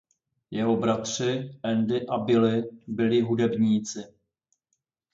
Jeho bratři Andy a Billy byli hudebníci.